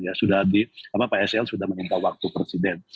ya pak sel sudah menimpa waktu presiden